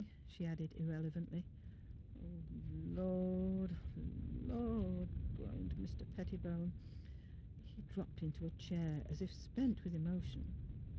" she added, irrelevantly. '' Lord — Lord !'' groaned Mr. Pettibone. He dropped into a chair, as if spent with emotion.